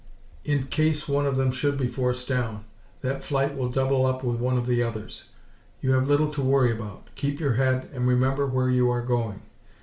In case one of them should be forced down, that flight will double up with one of the others. You have little to worry about. Keep your head and remember where you are going.